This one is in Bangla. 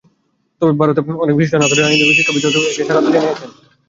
তবে ভারতে অনেক বিশিষ্ট নাগরিক, রাজনীতিবিদ, শিক্ষাবিদসহ পেশাজীবীরা একে স্বাগত জানিয়েছেন।